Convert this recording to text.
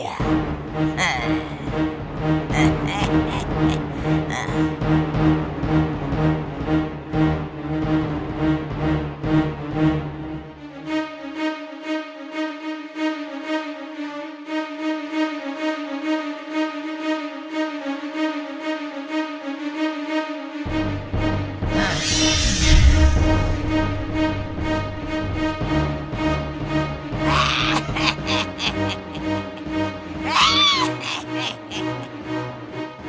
dia akan melahirkan aku